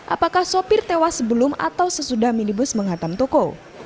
apakah sopir tewas sebelum atau sesudah minibus menghantam toko